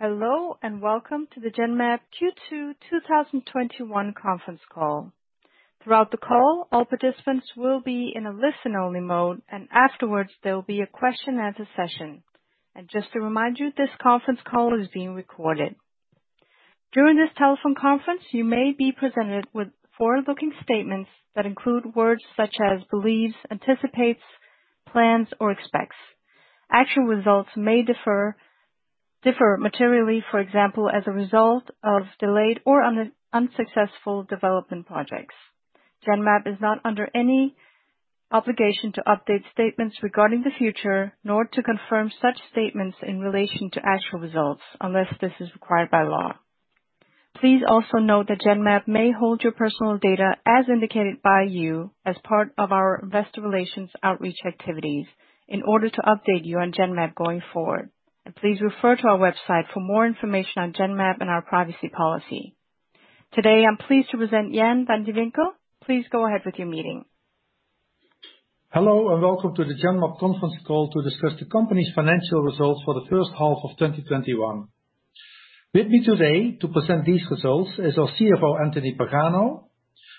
Hello, welcome to the Genmab Q2 2021 conference call. Throughout the call, all participants will be in a listen-only mode, and afterwards, there will be a question and answer session. Just to remind you, this conference call is being recorded. During this telephone conference, you may be presented with forward-looking statements that include words such as believes, anticipates, plans, or expects. Actual results may differ materially, for example, as a result of delayed or unsuccessful development projects. Genmab is not under any obligation to update statements regarding the future, nor to confirm such statements in relation to actual results, unless this is required by law. Please also note that Genmab may hold your personal data as indicated by you as part of our investor relations outreach activities in order to update you on Genmab going forward. Please refer to our website for more information on Genmab and our privacy policy. Today, I'm pleased to present Jan van de Winkel. Please go ahead with your meeting. Hello, welcome to the Genmab conference call to discuss the company's financial results for the first half of 2021. With me today to present these results is our CFO, Anthony Pagano.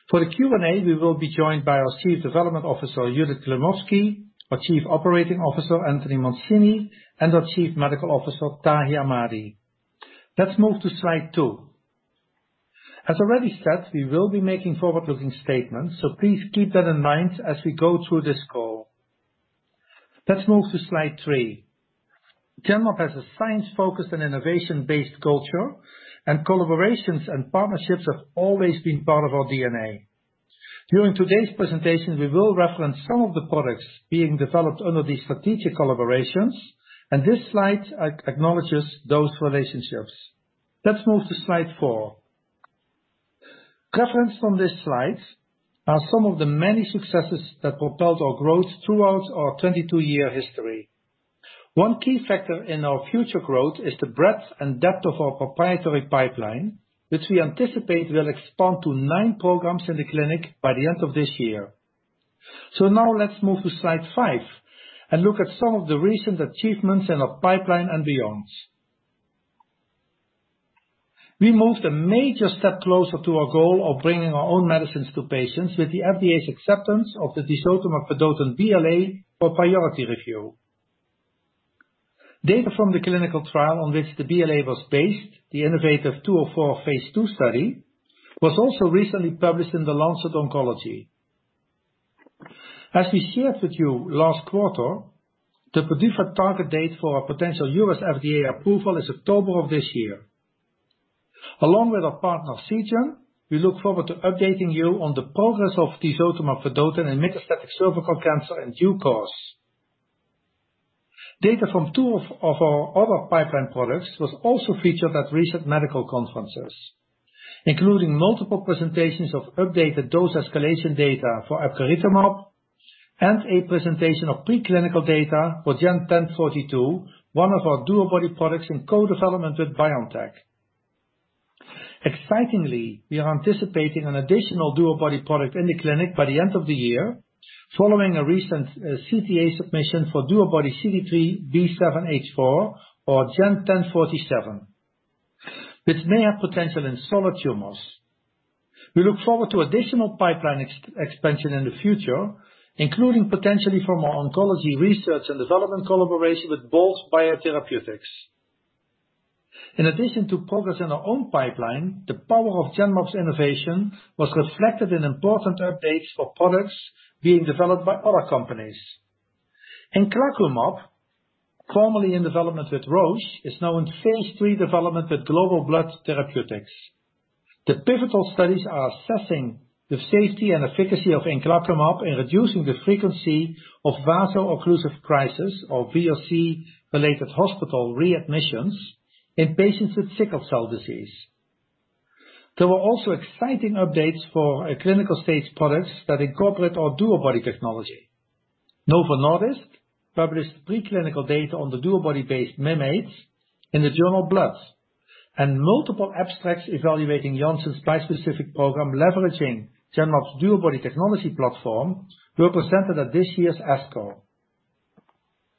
For the Q&A, we will be joined by our Chief Development Officer, Judith Klimovsky, our Chief Operating Officer, Anthony Mancini, and our Chief Medical Officer, Tahi Ahmadi. Let's move to slide two. As already said, we will be making forward-looking statements, please keep that in mind as we go through this call. Let's move to slide three. Genmab has a science-focused and innovation-based culture, collaborations and partnerships have always been part of our DNA. During today's presentation, we will reference some of the products being developed under these strategic collaborations, this slide acknowledges those relationships. Let's move to slide four. Reference from this slide are some of the many successes that propelled our growth throughout our 22-year history. One key factor in our future growth is the breadth and depth of our proprietary pipeline, which we anticipate will expand to nine programs in the clinic by the end of this year. Now let's move to slide five and look at some of the recent achievements in our pipeline and beyond. We moved a major step closer to our goal of bringing our own medicines to patients with the FDA's acceptance of the tisotumab vedotin BLA for priority review. Data from the clinical trial on which the BLA was based, the innovaTV 204 phase II study, was also recently published in The Lancet Oncology. As we shared with you last quarter, the predicted target date for our potential U.S. FDA approval is October of this year. Along with our partner Seagen, we look forward to updating you on the progress of tisotumab vedotin in metastatic cervical cancer in due course. Data from two of our other pipeline products was also featured at recent medical conferences, including multiple presentations of updated dose escalation data for epcoritamab and a presentation of preclinical data for GEN1042, one of our DuoBody products in co-development with BioNTech. Excitingly, we are anticipating an additional DuoBody product in the clinic by the end of the year, following a recent CTA submission for DuoBody-CD3xB7H4 or GEN1047, which may have potential in solid tumors. We look forward to additional pipeline expansion in the future, including potentially from our oncology research and development collaboration with Bolt Biotherapeutics. In addition to progress in our own pipeline, the power of Genmab's innovation was reflected in important updates for products being developed by other companies. inclacumab, formerly in development with Roche, is now in phase III development with Global Blood Therapeutics. The pivotal studies are assessing the safety and efficacy of inclacumab in reducing the frequency of vaso-occlusive crisis or VOC-related hospital readmissions in patients with sickle cell disease. There were also exciting updates for clinical stage products that incorporate our DuoBody technology. Novo Nordisk published preclinical data on the DuoBody-based Mim8 in the journal Blood, and multiple abstracts evaluating Janssen's bispecific program leveraging Genmab's DuoBody technology platform were presented at this year's ASCO.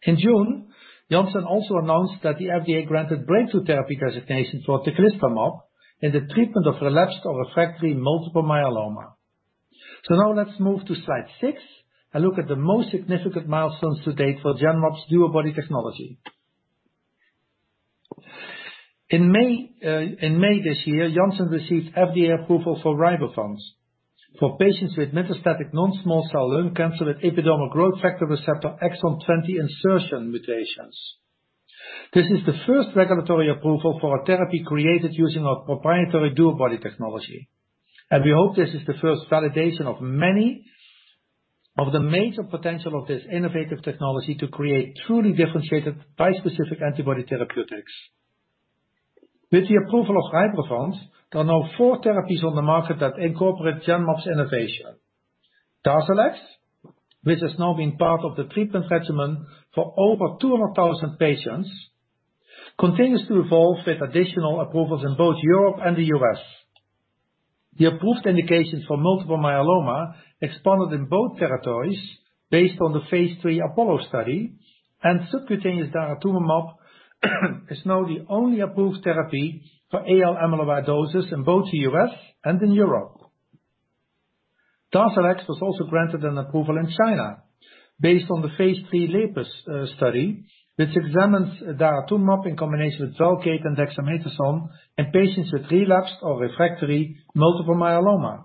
In June, Janssen also announced that the FDA granted breakthrough therapy designation for teclistamab in the treatment of relapsed or refractory multiple myeloma. Now let's move to slide six and look at the most significant milestones to date for Genmab's DuoBody technology. In May this year, Janssen received FDA approval for RYBREVANT for patients with metastatic non-small cell lung cancer with epidermal growth factor receptor exon 20 insertion mutations. This is the first regulatory approval for a therapy created using our proprietary DuoBody technology, and we hope this is the first validation of many of the major potential of this innovative technology to create truly differentiated bispecific antibody therapeutics. With the approval of RYBREVANT, there are now four therapies on the market that incorporate Genmab's innovation. DARZALEX, which has now been part of the treatment regimen for over 200,000 patients, continues to evolve with additional approvals in both Europe and the U.S. The approved indications for multiple myeloma expanded in both territories based on the phase III APOLLO study, and subcutaneous daratumumab is now the only approved therapy for AL amyloidosis in both the U.S. and in Europe. DARZALEX was also granted an approval in China based on the phase III LEPUS study, which examines daratumumab in combination with VELCADE and dexamethasone in patients with relapsed or refractory multiple myeloma.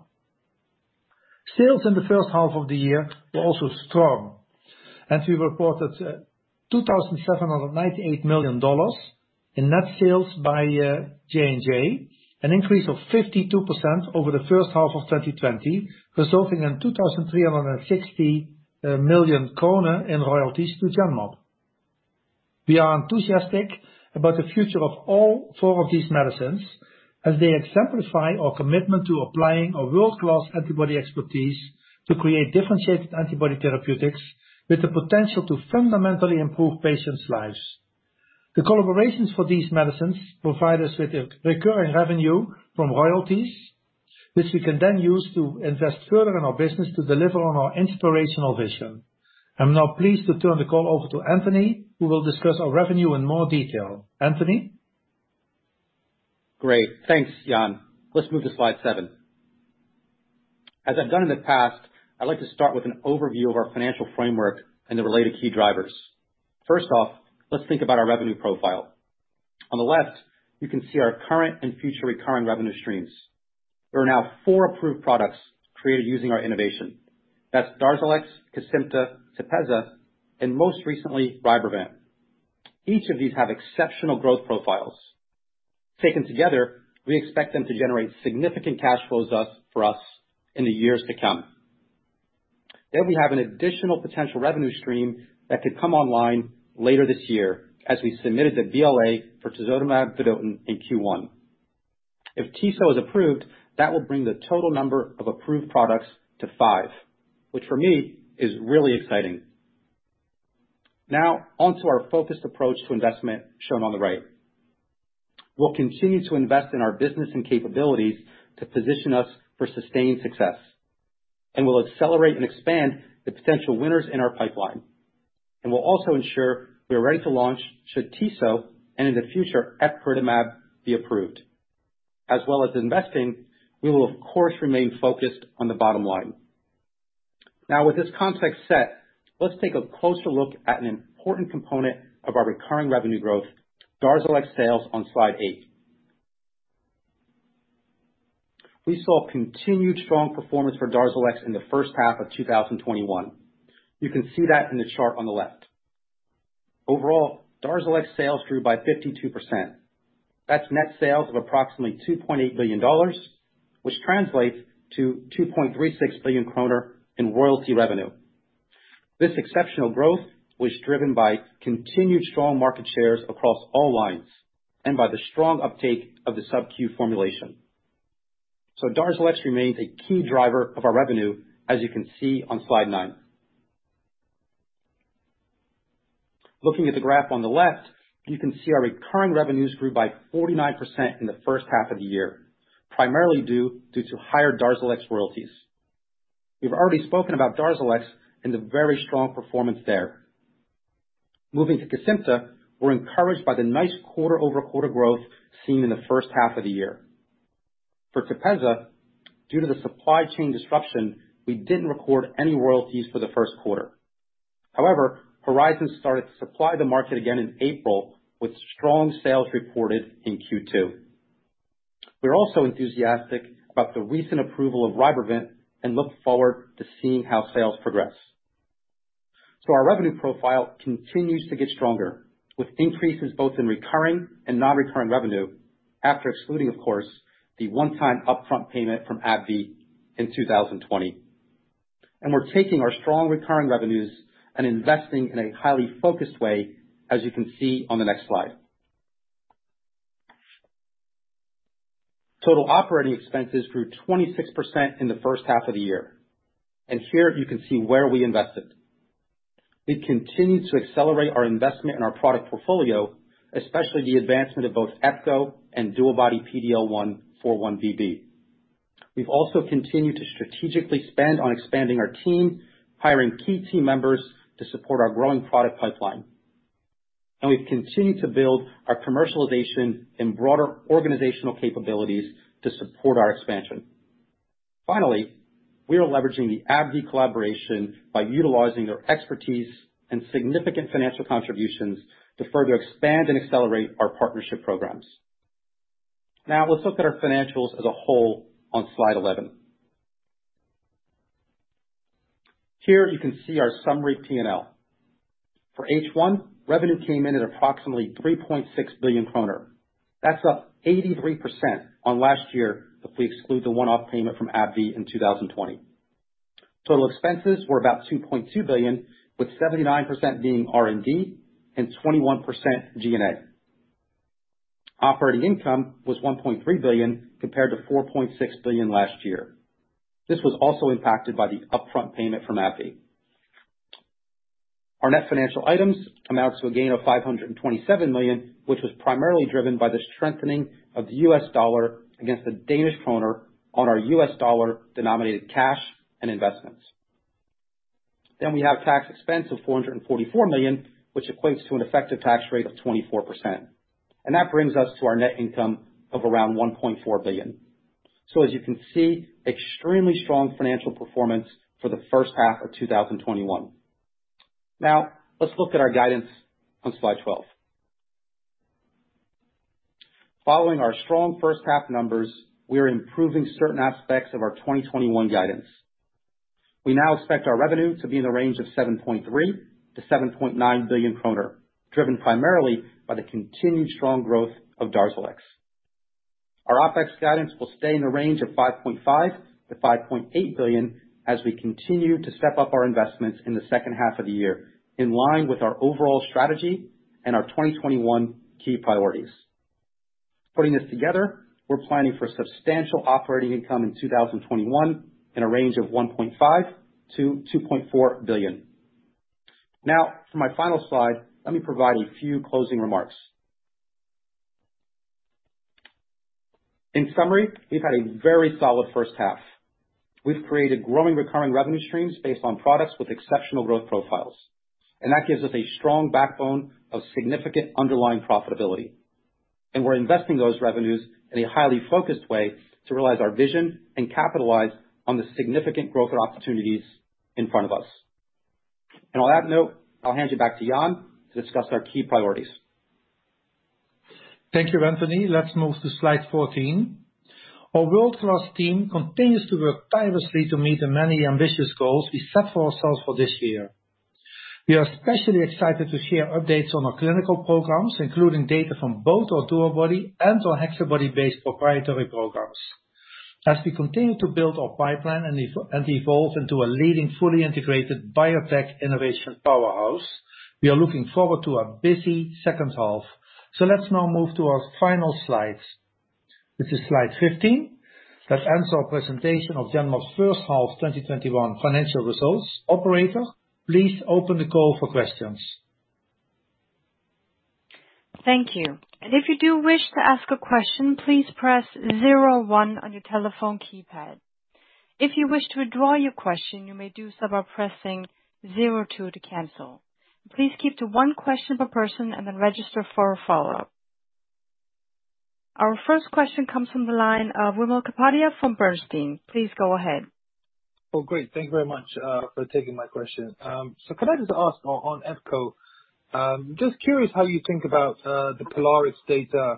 Sales in the first half of the year were also strong. We reported $2,798 million in net sales by J&J, an increase of 52% over the first half of 2020, resulting in 2,360 million in royalties to Genmab. We are enthusiastic about the future of all four of these medicines as they exemplify our commitment to applying our world-class antibody expertise to create differentiated antibody therapeutics with the potential to fundamentally improve patients' lives. The collaborations for these medicines provide us with a recurring revenue from royalties, which we can then use to invest further in our business to deliver on our inspirational vision. I'm now pleased to turn the call over to Anthony, who will discuss our revenue in more detail. Anthony? Great. Thanks, Jan. Let's move to slide seven. As I've done in the past, I'd like to start with an overview of our financial framework and the related key drivers. First off, let's think about our revenue profile. On the left, you can see our current and future recurring revenue streams. There are now four approved products created using our innovation. That's DARZALEX, KESIMPTA, TEPEZZA, and most recently, RYBREVANT. Each of these have exceptional growth profiles. Taken together, we expect them to generate significant cash flows for us in the years to come. We have an additional potential revenue stream that could come online later this year, as we submitted the BLA for tisotumab vedotin in Q1. If Tiso is approved, that will bring the total number of approved products to five, which for me is really exciting. Onto our focused approach to investment, shown on the right. We'll continue to invest in our business and capabilities to position us for sustained success. We'll accelerate and expand the potential winners in our pipeline. We'll also ensure we are ready to launch should Tiso and, in the future, epcoritamab be approved. As well as investing, we will of course, remain focused on the bottom line. With this context set, let's take a closer look at an important component of our recurring revenue growth, DARZALEX sales, on slide eight. We saw continued strong performance for DARZALEX in the first half of 2021. You can see that in the chart on the left. Overall, DARZALEX sales grew by 52%. That's net sales of approximately $2.8 billion, which translates to 2.36 billion kroner in royalty revenue. This exceptional growth was driven by continued strong market shares across all lines and by the strong uptake of the sub-Q formulation. DARZALEX remains a key driver of our revenue, as you can see on slide nine. Looking at the graph on the left, you can see our recurring revenues grew by 49% in the first half of the year, primarily due to higher DARZALEX royalties. We've already spoken about DARZALEX and the very strong performance there. Moving to KESIMPTA, we're encouraged by the nice quarter-over-quarter growth seen in the first half of the year. For TEPEZZA, due to the supply chain disruption, we didn't record any royalties for the first quarter. However, Horizon started to supply the market again in April with strong sales reported in Q2. We're also enthusiastic about the recent approval of RYBREVANT and look forward to seeing how sales progress. Our revenue profile continues to get stronger with increases both in recurring and non-recurring revenue after excluding, of course, the one-time upfront payment from AbbVie in 2020. We're taking our strong recurring revenues and investing in a highly focused way, as you can see on the next slide. Total operating expenses grew 26% in the first half of the year, and here you can see where we invested. We've continued to accelerate our investment in our product portfolio, especially the advancement of both epcoritamab and DuoBody-PD-L1x4-1BB. We've also continued to strategically spend on expanding our team, hiring key team members to support our growing product pipeline. We've continued to build our commercialization and broader organizational capabilities to support our expansion. Finally, we are leveraging the AbbVie collaboration by utilizing their expertise and significant financial contributions to further expand and accelerate our partnership programs. Let's look at our financials as a whole on Slide 11. Here you can see our summary P&L. For H1, revenue came in at approximately 3.6 billion kroner. That's up 83% on last year if we exclude the one-off payment from AbbVie in 2020. Total expenses were about 2.2 billion, with 79% being R&D and 21% G&A. Operating income was 1.3 billion compared to 4.6 billion last year. This was also impacted by the upfront payment from AbbVie. Our net financial items amounts to a gain of 527 million, which was primarily driven by the strengthening of the US dollar against the Danish kroner on our US dollar-denominated cash and investments. We have tax expense of 444 million, which equates to an effective tax rate of 24%. That brings us to our net income of around 1.4 billion. As you can see, extremely strong financial performance for the first half of 2021. Let's look at our guidance on slide 12. Following our strong first half numbers, we are improving certain aspects of our 2021 guidance. We now expect our revenue to be in the range of 7.3 billion-7.9 billion kroner, driven primarily by the continued strong growth of DARZALEX. Our OpEx guidance will stay in the range of 5.5 billion-5.8 billion as we continue to step up our investments in the second half of the year, in line with our overall strategy and our 2021 key priorities. Putting this together, we're planning for substantial operating income in 2021 in a range of 1.5 billion-2.4 billion. For my final slide, let me provide a few closing remarks. In summary, we've had a very solid first half. We've created growing recurring revenue streams based on products with exceptional growth profiles. That gives us a strong backbone of significant underlying profitability. We're investing those revenues in a highly focused way to realize our vision and capitalize on the significant growth opportunities in front of us. On that note, I'll hand you back to Jan to discuss our key priorities. Thank you, Anthony. Let's move to slide 14. Our world-class team continues to work tirelessly to meet the many ambitious goals we set for ourselves for this year. We are especially excited to share updates on our clinical programs, including data from both our DuoBody and our HexaBody-based proprietary programs. As we continue to build our pipeline and evolve into a leading, fully integrated biotech innovation powerhouse, we are looking forward to a busy second half. Let's now move to our final slide. This is slide 15. That ends our presentation of Genmab's first half 2021 financial results. Operator, please open the call for questions. Thank you. If you do wish to ask a question, please press zero one on your telephone keypad. If you wish to withdraw your question, you may do so by pressing zero two to cancel. Please keep to one question per person then register for a follow-up. Our first question comes from the line of Wimal Kapadia from Bernstein. Please go ahead. Oh, great. Thank you very much for taking my question. Could I just ask on epco, just curious how you think about the POLARIX data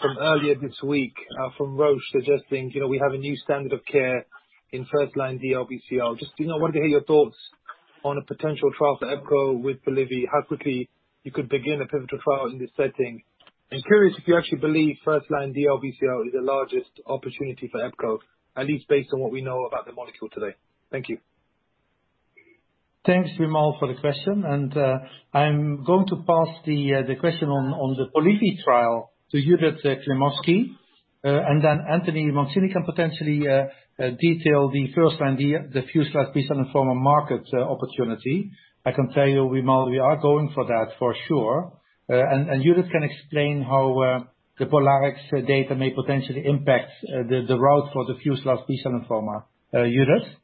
from earlier this week from Roche suggesting we have a new standard of care in first-line DLBCL. Just wanted to hear your thoughts on a potential trial for epco with POLIVY. How quickly you could begin a pivotal trial in this setting? I'm curious if you actually believe first-line DLBCL is the largest opportunity for epco, at least based on what we know about the molecule today? Thank you. Thanks, Wimal, for the question. I'm going to pass the question on the POLIVY trial to Judith Klimovsky, and then Anthony Mancini can potentially detail the first-line, diffuse large B-cell on lymphoma market opportunity. I can tell you, Wimal, we are going for that for sure. Judith can explain how the POLARIX data may potentially impact the route for the diffuse large B-cell lymphoma. Judith?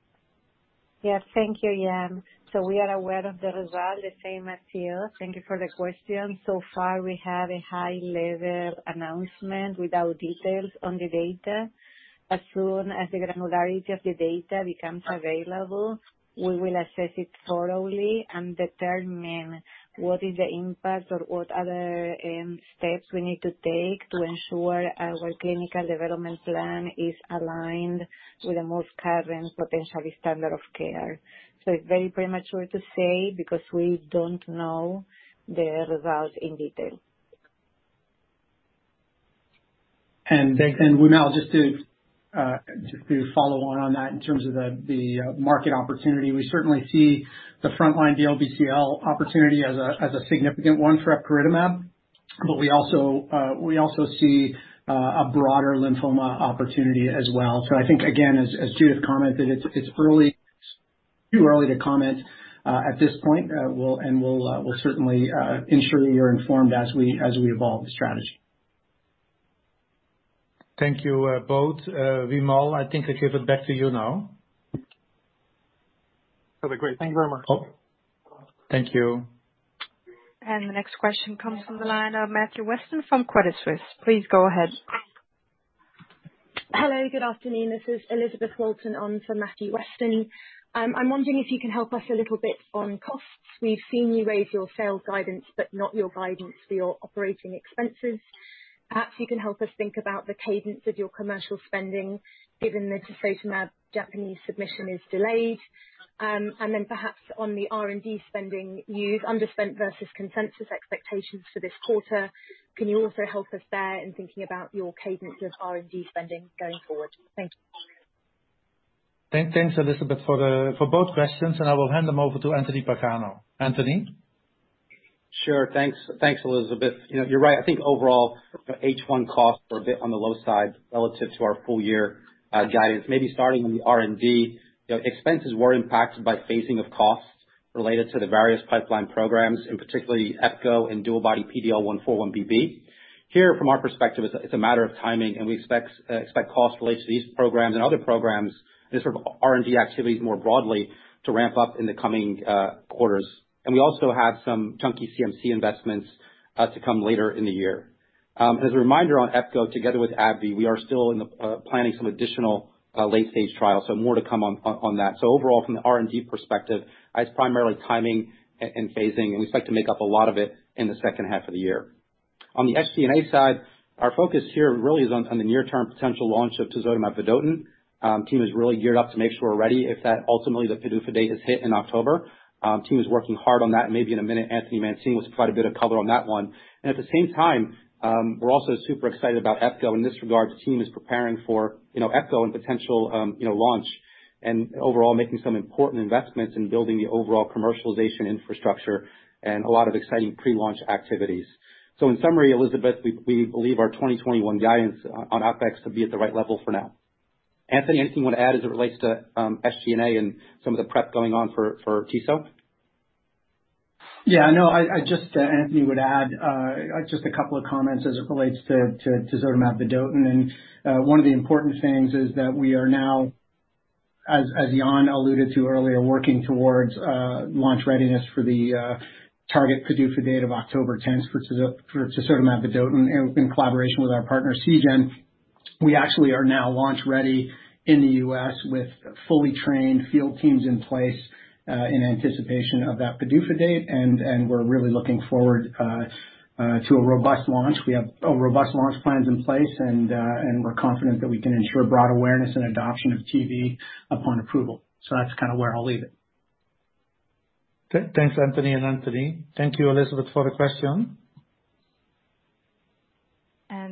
Yeah. Thank you, Jan. We are aware of the result the same as you. Thank you for the question. So far, we have a high-level announcement without details on the data. As soon as the granularity of the data becomes available, we will assess it thoroughly and determine what is the impact or what other steps we need to take to ensure our clinical development plan is aligned with the most current potentially standard of care. It's very premature to say because we don't know the results in detail. Wimal, just to follow on on that in terms of the market opportunity, we certainly see the frontline DLBCL opportunity as a significant one for epcoritamab, but we also see a broader lymphoma opportunity as well. I think, again, as Judith commented, it's too early to comment at this point. We'll certainly ensure you're informed as we evolve the strategy. Thank you both. Wimal, I think I give it back to you now. Okay, great. Thank you very much. Thank you. The next question comes from the line of Matthew Weston from Credit Suisse. Please go ahead. Hello. Good afternoon. This is Elizabeth Walton on for Matthew Weston. I'm wondering if you can help us a little bit on costs. We've seen you raise your sales guidance but not your guidance for your operating expenses. You can help us think about the cadence of your commercial spending given that tisotumab Japanese submission is delayed. On the R&D spending, you've underspent versus consensus expectations for this quarter. Can you also help us there in thinking about your cadence of R&D spending going forward? Thank you. Thanks, Elizabeth, for both questions. I will hand them over to Anthony Pagano. Anthony? Sure. Thanks, Elizabeth. You're right. I think overall, H1 costs were a bit on the low side relative to our full year guidance. Maybe starting in the R&D, expenses were impacted by phasing of costs related to the various pipeline programs, and particularly epco and DuoBody-PD-L1x4-1BB. Here from our perspective, it's a matter of timing, and we expect costs related to these programs and other programs and R&D activities more broadly to ramp up in the coming quarters. We also have some chunky CMC investments to come later in the year. As a reminder on epco, together with AbbVie, we are still in the planning some additional late stage trials, so more to come on that. Overall, from the R&D perspective, it's primarily timing and phasing, and we expect to make up a lot of it in the second half of the year. On the SG&A side, our focus here really is on the near term potential launch of tisotumab vedotin. Team is really geared up to make sure we're ready if that ultimately the PDUFA date is hit in October. Team is working hard on that. Maybe in a minute, Anthony Mancini will provide a bit of color on that one. At the same time, we're also super excited about epco. In this regard, the team is preparing for epco and potential launch and overall making some important investments in building the overall commercialization infrastructure and a lot of exciting pre-launch activities. In summary, Elizabeth, we believe our 2021 guidance on OpEx to be at the right level for now. Anthony, anything you want to add as it relates to SG&A and some of the prep going on for Tiso? Anthony would add, just a couple of comments as it relates to tisotumab vedotin. One of the important things is that we are now, as Jan alluded to earlier, working towards launch readiness for the target PDUFA date of October 10th for tisotumab vedotin in collaboration with our partner Seagen. We actually are now launch-ready in the U.S. with fully trained field teams in place, in anticipation of that PDUFA date. We're really looking forward to a robust launch. We have robust launch plans in place, and we're confident that we can ensure broad awareness and adoption of TV upon approval. That's kind of where I'll leave it. Okay. Thanks, Anthony and Anthony. Thank you, Elizabeth, for the question.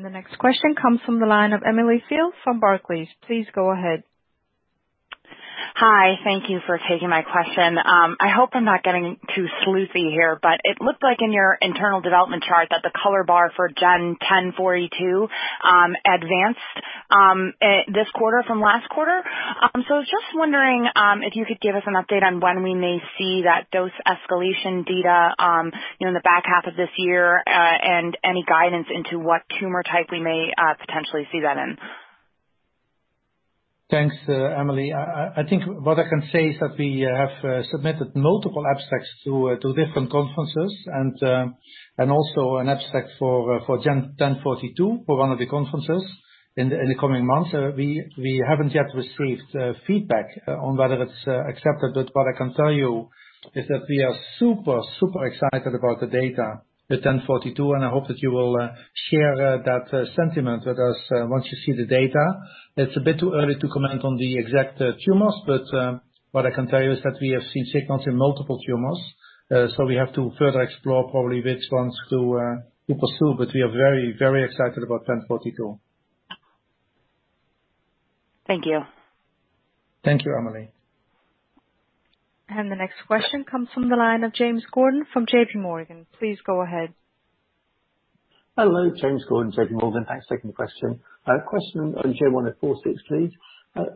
The next question comes from the line of Emily Field from Barclays. Please go ahead. Hi. Thank you for taking my question. I hope I'm not getting too sleuthy here. It looked like in your internal development chart that the color bar for GEN1042 advanced this quarter from last quarter. I was just wondering if you could give us an update on when we may see that dose escalation data in the back half of this year, and any guidance into what tumor type we may potentially see that in. Thanks, Emily. I think what I can say is that we have submitted multiple abstracts to different conferences and also an abstract for GEN1042 for one of the conferences in the coming months. We haven't yet received feedback on whether it's accepted, but what I can tell you is that we are super excited about the data with GEN1042, and I hope that you will share that sentiment with us once you see the data. It's a bit too early to comment on the exact tumors, but what I can tell you is that we have seen signals in multiple tumors. We have to further explore probably which ones to pursue. We are very, very excited about GEN1042. Thank you. Thank you, Emily. The next question comes from the line of James Gordon from JPMorgan. Please go ahead. Hello, James Gordon, JP Morgan. Thanks for taking the question. A question on GEN1046, please.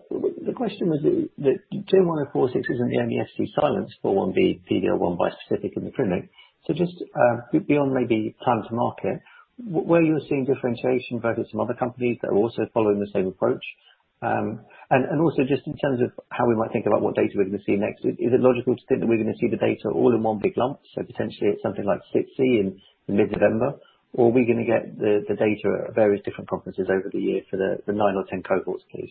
The question is that GEN1046 is an Fc-silenced 4-1BB PD-L1 bispecific in the clinic. Just beyond maybe plan to market, where are you seeing differentiation versus some other companies that are also following the same approach? Also just in terms of how we might think about what data we're going to see next. Is it logical to think that we're going to see the data all in one big lump, so potentially at something like SITC in mid-November? Or are we going to get the data at various different conferences over the year for the nine or 10 cohorts, please?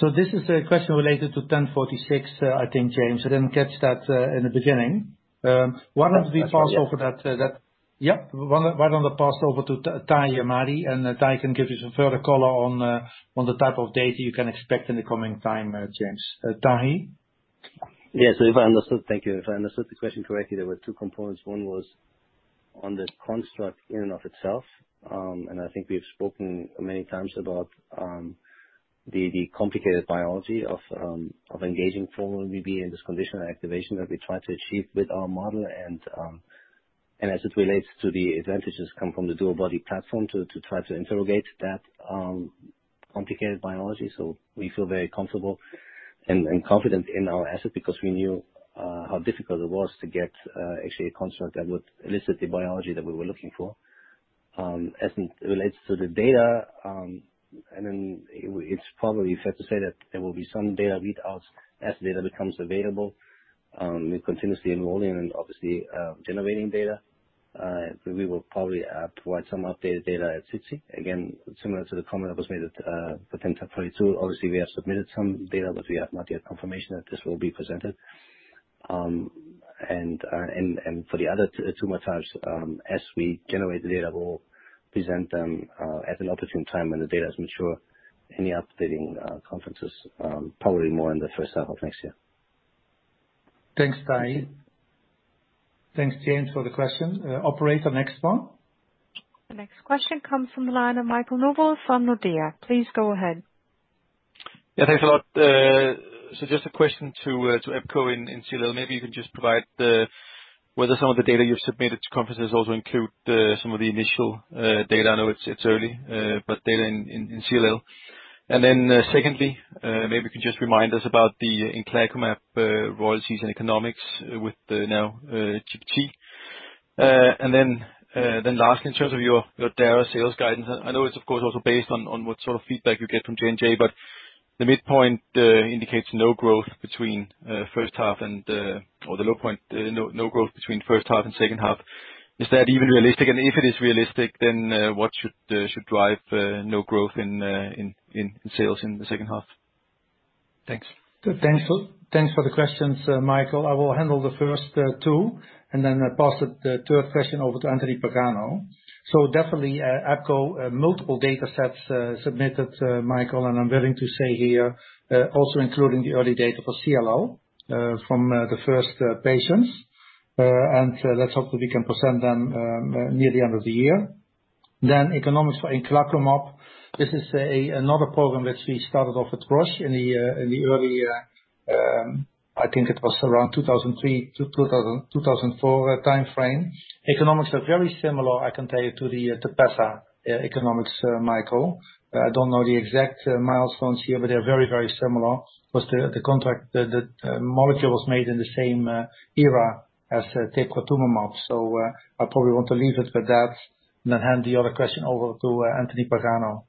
This is a question related to 1046, I think, James. I didn't catch that in the beginning. Why don't we pass over that. That's all, yeah. Yeah. Why don't I pass over to Tahi Ahmadi. Tahi can give you some further color on the type of data you can expect in the coming time, James. Tahi? Yeah. If I understood Thank you. If I understood the question correctly, there were two components. One was on the construct in and of itself. I think we've spoken many times about the complicated biology of engaging 4-1BB in this conditional activation that we try to achieve with our model, and as it relates to the advantages come from the DuoBody platform to try to interrogate that complicated biology. We feel very comfortable and confident in our asset because we knew how difficult it was to get actually a construct that would elicit the biology that we were looking for. As it relates to the data, it's probably fair to say that there will be some data readouts as data becomes available. We're continuously enrolling and obviously generating data. We will probably provide some updated data at SITC. Similar to the comment that was made for GEN1042. Obviously, we have submitted some data, but we have not yet confirmation that this will be presented. For the other tumor types, as we generate the data, we'll present them at an opportune time when the data is mature, any updating conferences, probably more in the first half of next year. Thanks, Tahi. Thanks, James, for the question. Operator, next one. The next question comes from the line of Michael Novod from Nordea. Please go ahead. Yeah, thanks a lot. Just a question to epco in CLL. Maybe you can just provide whether some of the data you've submitted to conferences also include some of the initial data. I know it's early, data in CLL. Secondly, maybe you can just remind us about the inclacumab royalties and economics with now GBT. Lastly, in terms of your Dara sales guidance, I know it's of course also based on what sort of feedback you get from J&J, the midpoint indicates no growth between first half and second half, or the low point, no growth between first half and second half. Is that even realistic? If it is realistic, what should drive no growth in sales in the second half? Thanks. Thanks for the questions, Michael. I will handle the first two, and then pass the third question over to Anthony Pagano. Definitely, epco, multiple data sets submitted, Michael, and I'm willing to say here, also including the early data for CLL from the first patients. Let's hope that we can present them near the end of the year. Economics for inclacumab. This is another program which we started off with Roche in the early, I think it was around 2003-2004 timeframe. Economics are very similar, I can tell you, to the TEPEZZA economics, Michael. I don't know the exact milestones here, but they're very similar. The molecule was made in the same era as teprotumumab. I probably want to leave it with that and then hand the other question over to Anthony Pagano.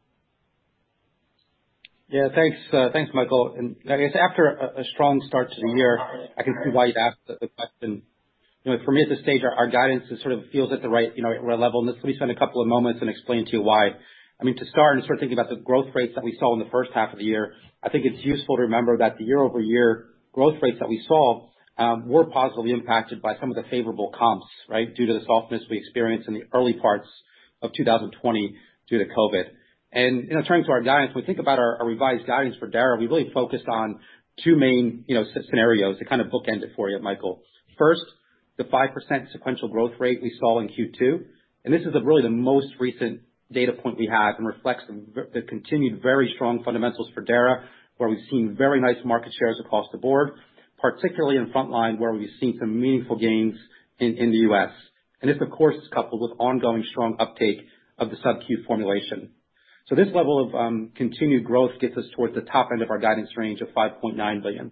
Yeah. Thanks, Michael. I guess after a strong start to the year, I can see why you'd ask the question. For me, at this stage, our guidance, it sort of feels at the right level. Let me spend a couple of moments and explain to you why. I mean, to start and start thinking about the growth rates that we saw in the first half of the year, I think it's useful to remember that the year-over-year growth rates that we saw were positively impacted by some of the favorable comps, right. Due to the softness we experienced in the early parts of 2020 due to COVID. Turning to our guidance, when we think about our revised guidance for Dara, we really focused on two main scenarios to kind of bookend it for you, Michael. The 5% sequential growth rate we saw in Q2. This is really the most recent data point we have and reflects the continued very strong fundamentals for Dara, where we've seen very nice market shares across the board, particularly in frontline where we've seen some meaningful gains in the U.S. This, of course, is coupled with ongoing strong uptake of the sub-Q formulation. This level of continued growth gets us towards the top end of our guidance range of $5.9 billion.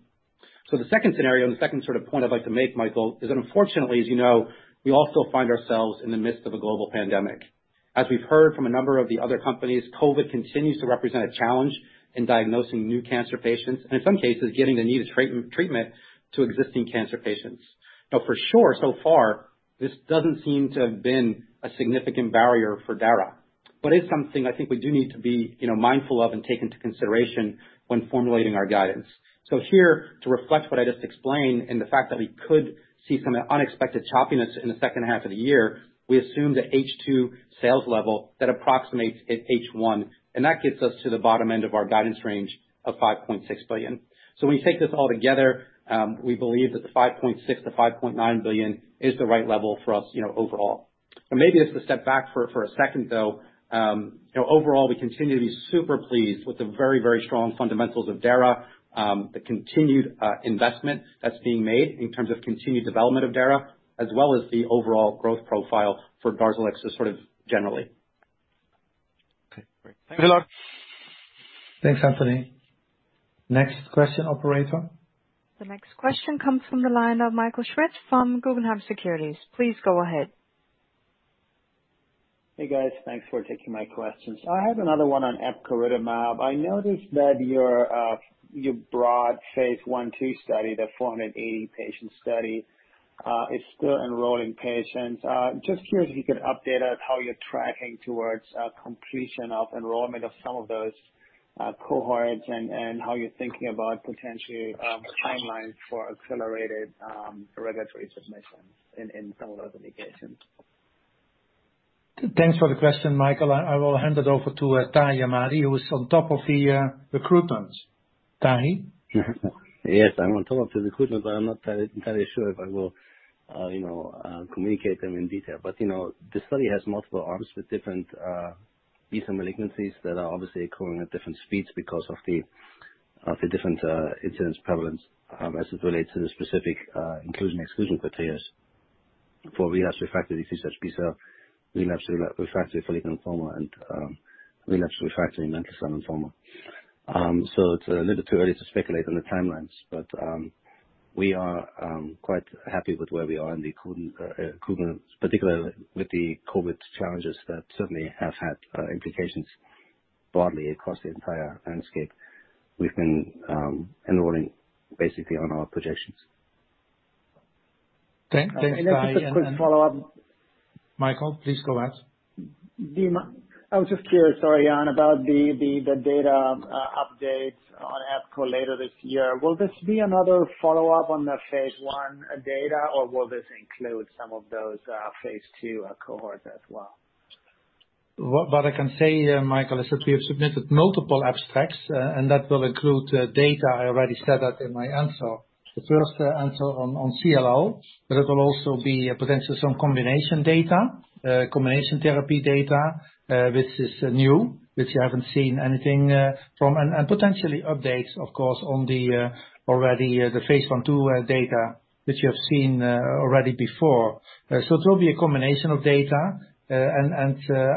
The second scenario, the second sort of point I'd like to make, Michael, is that unfortunately, as you know, we all still find ourselves in the midst of a global pandemic. As we've heard from a number of the other companies, COVID continues to represent a challenge in diagnosing new cancer patients, and in some cases, getting the needed treatment to existing cancer patients. For sure, so far, this doesn't seem to have been a significant barrier for Dara, but it's something I think we do need to be mindful of and take into consideration when formulating our guidance. Here, to reflect what I just explained and the fact that we could see some unexpected choppiness in the second half of the year, we assume that H2 sales level that approximates at H1, and that gets us to the bottom end of our guidance range of $5.6 billion. When you take this all together, we believe that the $5.6 billion-$5.9 billion is the right level for us overall. Maybe just to step back for a second, though. Overall, we continue to be super pleased with the very strong fundamentals of Dara, the continued investment that's being made in terms of continued development of Dara, as well as the overall growth profile for DARZALEX just sort of generally. Okay, great. Thanks a lot. Thanks, Anthony. Next question, operator. The next question comes from the line of Michael Schmidt from Guggenheim Securities. Please go ahead. Hey, guys. Thanks for taking my questions. I have another one on epcoritamab. I noticed that your broad phase I/II study, the 480-patient study, is still enrolling patients. Just curious if you could update us how you're tracking towards completion of enrollment of some of those cohorts and how you're thinking about potential timelines for accelerated regulatory submissions in some of those indications? Thanks for the question, Michael. I will hand it over to Tahi Ahmadi, who is on top of the recruitments. Tahi? Yes, I'm on top of the recruitments. I'm not entirely sure if I will communicate them in detail. The study has multiple arms with different B-cell malignancies that are obviously occurring at different speeds because of the different incidence prevalence as it relates to the specific inclusion/exclusion criteria for relapsed refractory DLBCL, relapsed refractory follicular lymphoma, and relapsed refractory mantle cell lymphoma. It's a little too early to speculate on the timelines, but we are quite happy with where we are in the recruitments, particularly with the COVID challenges that certainly have had implications broadly across the entire landscape. We've been enrolling basically on our projections. Thanks, Tahi. Just a quick follow-up. Michael, please go ahead. I was just curious around about the data updates on epco later this year. Will this be another follow-up on the phase I data, or will this include some of those phase II cohorts as well? What I can say, Michael, is that we have submitted multiple abstracts and that will include data I already stated in my answer. The first answer on CLL. It will also be potentially some combination data, combination therapy data, which is new, which you haven't seen anything from. Potentially updates, of course, on the already the phase I/II data, which you have seen already before. It will be a combination of data, and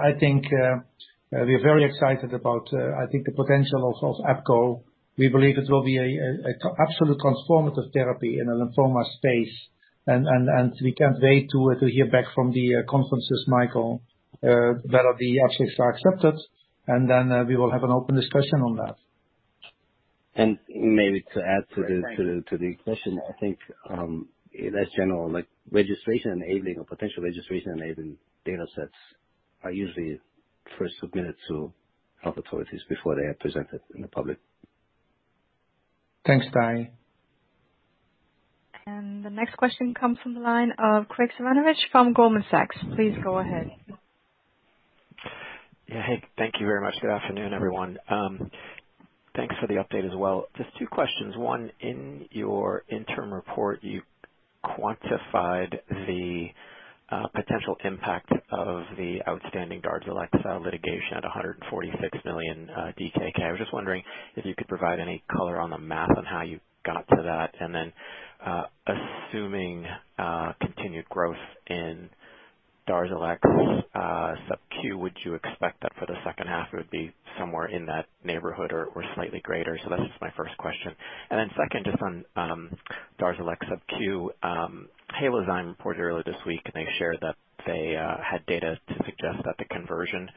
I think we are very excited about, I think the potential of epco. We believe it will be an absolute transformative therapy in the lymphoma space, and we can't wait to hear back from the conferences, Michael, whether the abstracts are accepted and then we will have an open discussion on that. Maybe to add to the question, I think, less general, like registration enabling or potential registration enabling data sets are usually first submitted to health authorities before they are presented in the public. Thanks, Tahi. The next question comes from the line of Graig Suvannavejh from Goldman Sachs. Please go ahead. Yeah. Hey, thank you very much. Good afternoon, everyone. Thanks for the update as well. Just two questions. One, in your interim report, you quantified the potential impact of the outstanding DARZALEX litigation at 146 million DKK. I was just wondering if you could provide any color on the math on how you got to that, and then assuming continued growth in DARZALEX sub-Q, would you expect that for the second half it would be somewhere in that neighborhood or slightly greater? That's just my first question. Second, just on DARZALEX sub-Q, Halozyme reported earlier this week and they shared that they had data to suggest that the conversion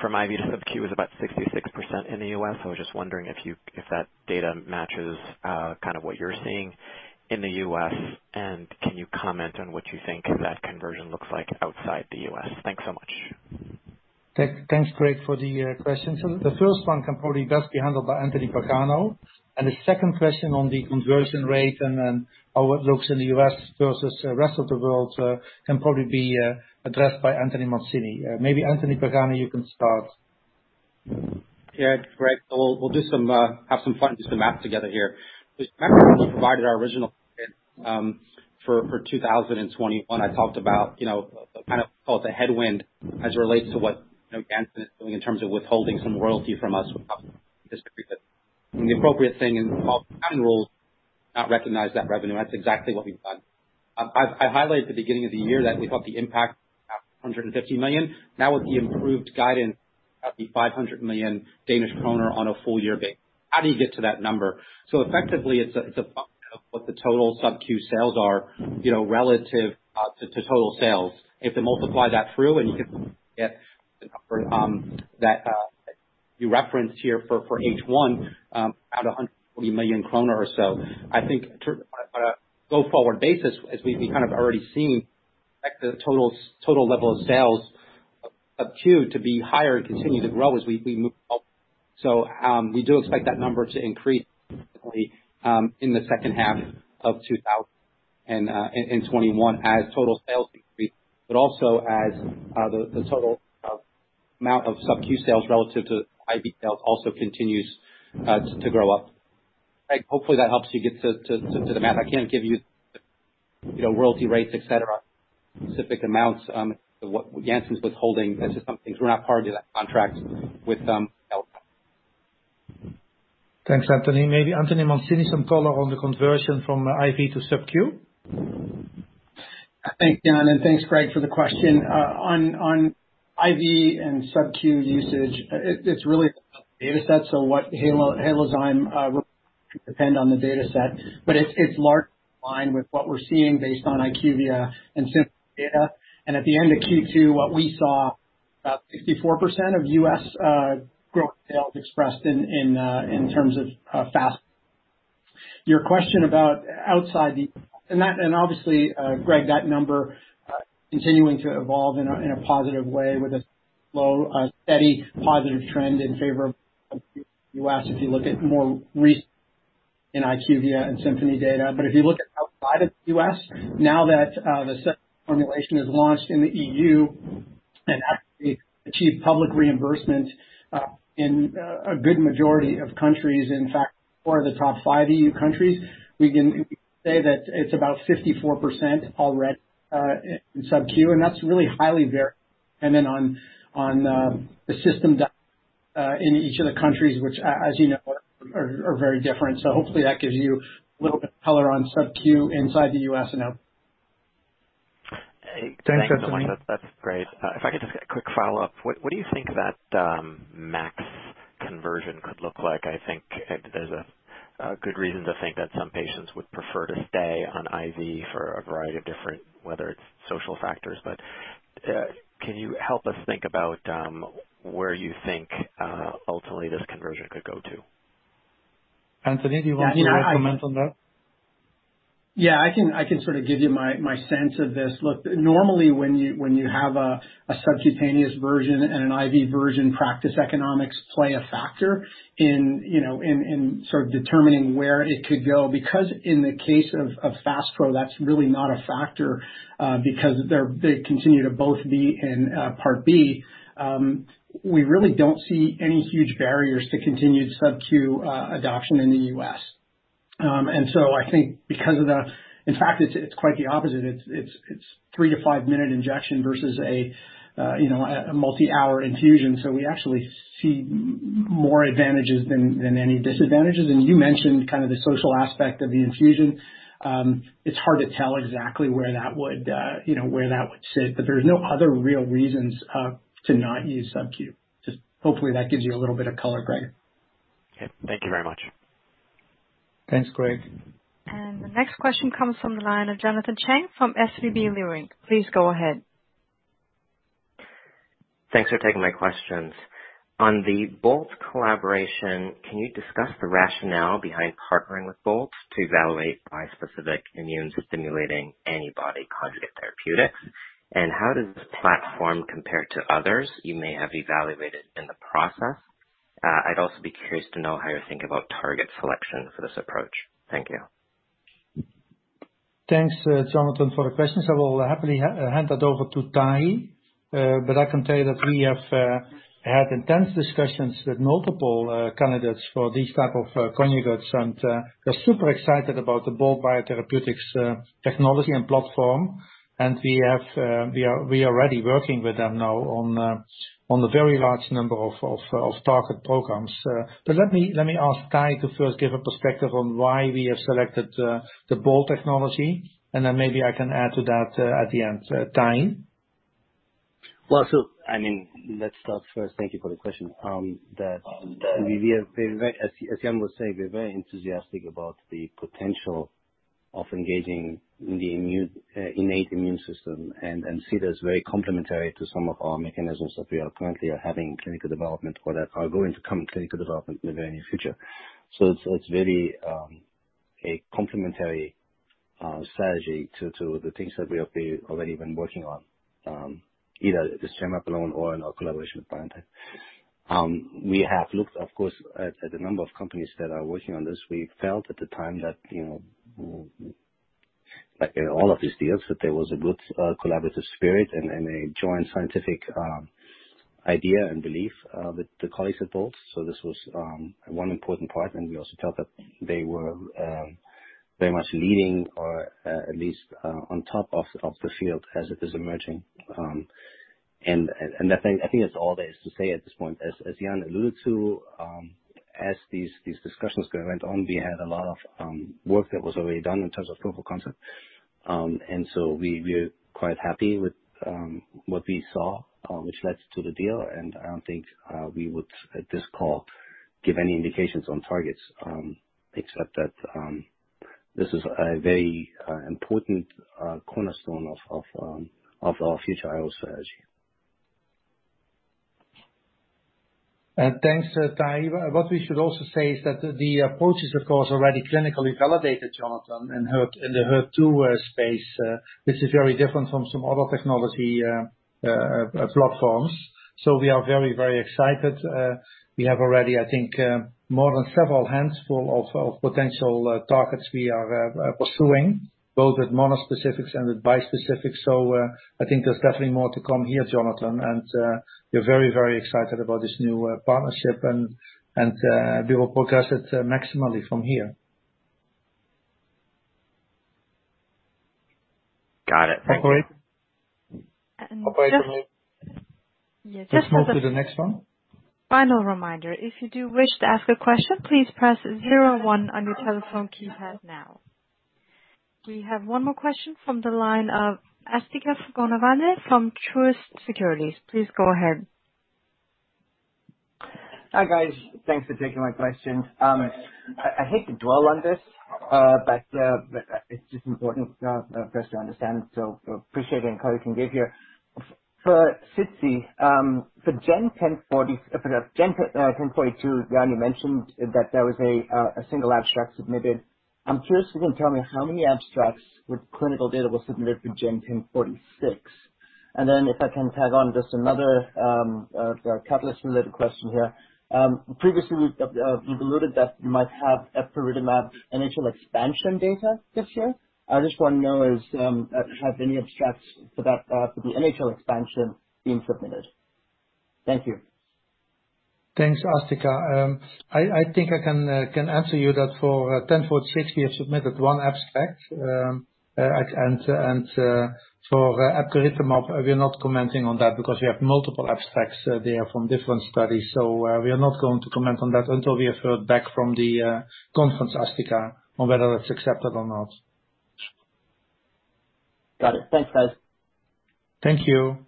from IV to sub-Q is about 66% in the U.S. I was just wondering if that data matches what you're seeing in the U.S., and can you comment on what you think that conversion looks like outside the U.S.? Thanks so much. Thanks, Graig, for the questions. The first one can probably best be handled by Anthony Pagano. The second question on the conversion rate and then how it looks in the U.S. versus the rest of the world, can probably be addressed by Anthony Mancini. Maybe Anthony Pagano, you can start. Yeah. Graig. We'll have some fun, do some math together here. Just remember when we provided our original guidance for 2021, I talked about the kind of, call it the headwind as it relates to what Janssen is doing in terms of withholding some royalty from us with. [inaudible] The appropriate thing involved in general is not recognize that revenue. That's exactly what we've done. I highlighted at the beginning of the year that we thought the impact would be 150 million. Now with the improved guidance of the 500 million Danish kroner on a full year basis. How do you get to that number? Effectively, it's a function of what the total sub-Q sales are relative to total sales. If you multiply that through, and you can get the number that you referenced here for H1, out 140 million kroner or so. I think on a go-forward basis, as we've kind of already seen, expect the total level of sales of Q to be higher and continue to grow as we move up. We do expect that number to increase significantly in the second half of 2021 as total sales increase, but also as the total amount of sub-Q sales relative to IV sales also continues to grow up. Graig, hopefully that helps you get to the math. I can't give you royalty rates, et cetera, specific amounts of what Janssen's withholding. That's just some things. We're not party to that contract with them. Thanks, Anthony. Maybe Anthony Mancini, some color on the conversion from IV to sub-Q. Thanks, Jan, and thanks, Graig, for the question. On IV and sub-Q usage, it's really data sets, so what Halozyme reports depend on the data set, but it's largely in line with what we're seeing based on IQVIA and Symphony data. At the end of Q2, what we saw about 64% of U.S. gross sales expressed in terms of Faspro. Obviously, Craig, that number continuing to evolve in a positive way with a slow, steady positive trend in favor of the U.S. if you look at more recent in IQVIA and Symphony data. If you look at outside of the U.S., now that the sub formulation is launched in the EU and actually achieved public reimbursement in a good majority of countries, in fact, four of the top five EU countries, we can say that it's about 54% already in sub-Q, and that's really highly variable depending on the system in each of the countries, which as you know, are very different. Hopefully that gives you a little bit of color on sub-Q inside the U.S. and out. Thanks so much. That's great. If I could just get a quick follow-up. What do you think that max conversion could look like? I think there's a good reason to think that some patients would prefer to stay on IV for a variety of different whether it's social factors. Can you help us think about where you think ultimately this conversion could go to? Anthony, do you want to comment on that? I can sort of give you my sense of this. Look, normally when you have a subcutaneous version and an IV version, practice economics play a factor in sort of determining where it could go. In the case of Faspro, that's really not a factor because they continue to both be in Part B. We really don't see any huge barriers to continued sub-Q adoption in the U.S. I think because of the In fact, it's quite the opposite. It's three to five-minute injection versus a multi-hour infusion. We actually see more advantages than any disadvantages. You mentioned kind of the social aspect of the infusion. It's hard to tell exactly where that would sit, there's no other real reasons to not use sub-Q. Just hopefully that gives you a little bit of color, Greg. Okay. Thank you very much. Thanks, Greg. The next question comes from the line of Jonathan Chang from SVB Leerink. Please go ahead. Thanks for taking my questions. On the Bolt collaboration, can you discuss the rationale behind partnering with Bolt to evaluate bispecific immune-stimulating antibody conjugate therapeutics? How does this platform compare to others you may have evaluated in the process? I'd also be curious to know how you think about target selection for this approach. Thank you. Thanks, Jonathan, for the questions. I will happily hand that over to Tahi. I can tell you that we have had intense discussions with multiple candidates for these type of conjugates, and we're super excited about the Bolt Biotherapeutics technology and platform. We are already working with them now on a very large number of target programs. Let me ask Tahi to first give a perspective on why we have selected the Bolt technology, and then maybe I can add to that at the end. Tahi? Well, I mean, let's start first. Thank you for the question. As Jan was saying, we're very enthusiastic about the potential of engaging in the innate immune system and see it as very complementary to some of our mechanisms that we currently are having in clinical development or that are going to come in clinical development in the very near future. It's very a complementary strategy to the things that we have already been working on, either with Genmab alone or in our collaboration with BioNTech. We have looked, of course, at the number of companies that are working on this. We felt at the time that in all of these deals, that there was a good collaborative spirit and a joint scientific idea and belief with the colleagues at Bolt. This was one important part. We also felt that they were very much leading or at least on top of the field as it is emerging. I think that's all there is to say at this point. As Jan alluded to, as these discussions went on, we had a lot of work that was already done in terms of proof of concept. We're quite happy with what we saw, which led to the deal, and I don't think we would, at this call, give any indications on targets except that this is a very important cornerstone of our future I-O strategy. Thanks, Tahi. What we should also say is that the approach is, of course, already clinically validated, Jonathan, in the HER2 space, which is very different from some other technology platforms. We are very excited. We have already, I think, more than several handfuls of potential targets we are pursuing, both with monospecifics and with bispecifics. I think there's definitely more to come here, Jonathan. We're very excited about this new partnership, and we will progress it maximally from here. Got it. Thank you. Operator. And just- Let's move to the next one. Final reminder. If you do wish to ask a question, please press zero one on your telephone keypad now. We have one more question from the line of Asthika Goonewardene from Truist Securities. Please go ahead. Hi, guys. Thanks for taking my questions. I hate to dwell on this, but it's just important for us to understand, so appreciate any color you can give here. For SITC, for GEN1042, Jan, you mentioned that there was a single abstract submitted. I'm curious if you can tell me how many abstracts with clinical data were submitted for GEN1046. Then if I can tag on just another catalyst-related question here. Previously, you've alluded that you might have epcoritamab initial expansion data this year. I just want to know, have any abstracts for the NHL expansion been submitted? Thank you. Thanks, Asthika. I think I can answer you that for GEN1046, we have submitted one abstract. For epcoritamab, we are not commenting on that because we have multiple abstracts there from different studies. We are not going to comment on that until we have heard back from the conference, Asthika, on whether that is accepted or not. Got it. Thanks, guys. Thank you.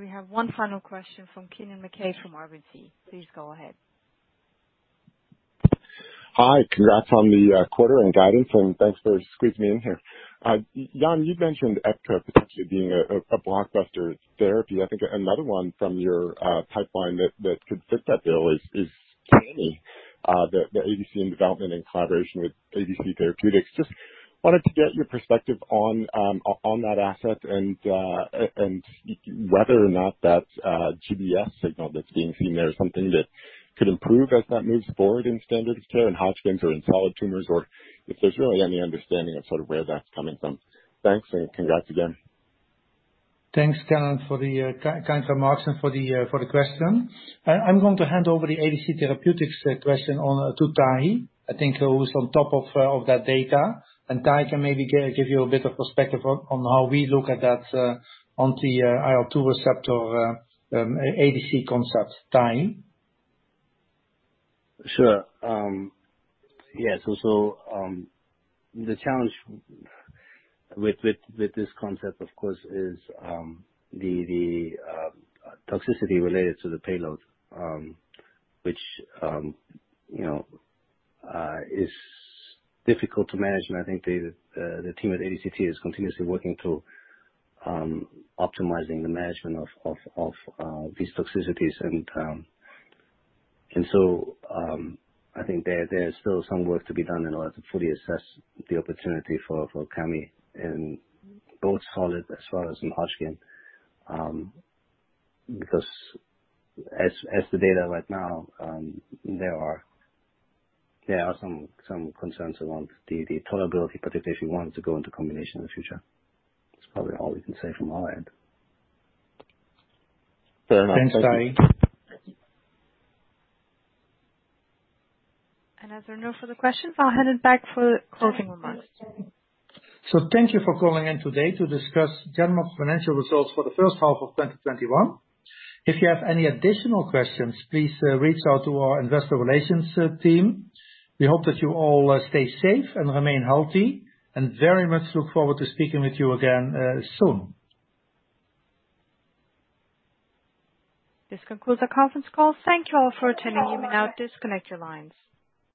We have one final question from Kennen MacKay from RBC. Please go ahead. Hi. Congrats on the quarter and guidance, and thanks for squeezing me in here. Jan, you've mentioned epco potentially being a blockbuster therapy. I think another one from your pipeline that could fit that bill is Cami, the ADC in development in collaboration with ADC Therapeutics. Just wanted to get your perspective on that asset and whether or not that GBS signal that's being seen there is something that could improve as that moves forward in standard of care, in Hodgkin or in solid tumors, or if there's really any understanding of sort of where that's coming from. Thanks, and congrats again. Thanks, Kennen, for the kind remarks and for the question. I'm going to hand over the ADC Therapeutics question on to Tahi, I think who's on top of that data, and Tahi can maybe give you a bit of perspective on how we look at that on the IL-2 receptor ADC concept. Tahi? Sure. Yes. The challenge with this concept, of course, is the toxicity related to the payload, which is difficult to manage, and I think the team at ADCT is continuously working through optimizing the management of these toxicities. I think there is still some work to be done in order to fully assess the opportunity for Cami in both solid as far as in Hodgkin. As the data right now, there are some concerns around the tolerability, particularly if you want to go into combination in the future. That's probably all we can say from our end. Fair enough. Thank you. Thanks, Tahi. As there are no further questions, I'll hand it back for closing remarks. Thank you for calling in today to discuss Genmab's financial results for the first half of 2021. If you have any additional questions, please reach out to our investor relations team. We hope that you all stay safe and remain healthy, and very much look forward to speaking with you again soon. This concludes our conference call. Thank you all for attending. You may now disconnect your lines.